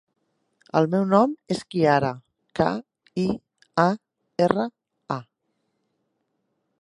El meu nom és Kiara: ca, i, a, erra, a.